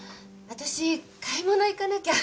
わたし買い物行かなきゃ。